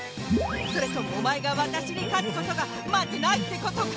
それともおまえがわたしにかつことがまずないってことか？